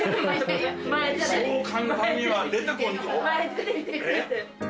そう簡単には出てこんぞ。